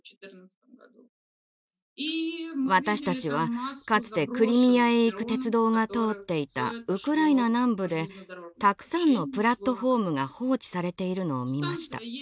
私たちはかつてクリミアへ行く鉄道が通っていたウクライナ南部でたくさんのプラットホームが放置されているのを見ました。